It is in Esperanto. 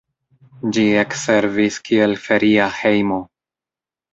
Ĝi ekservis kiel feria hejmo.